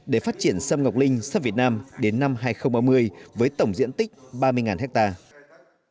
để phát triển sâm ngọc linh sâm việt nam đến năm hai nghìn ba mươi với tổng diện tích ba mươi hectare